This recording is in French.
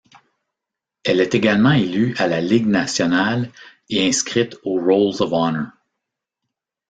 Elle est également élue à la Ligue nationale et inscrite au Rolls of Honor.